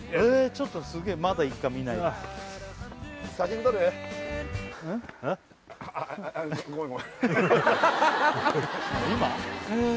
ちょっとすげえまだいくか見ないで今？